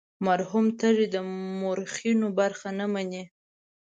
مرحوم تږی د مورخینو خبره نه مني.